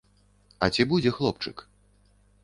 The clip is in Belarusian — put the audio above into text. А ці будзе хлопчык?